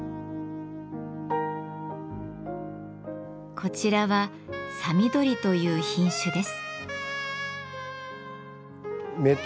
こちらは「さみどり」という品種です。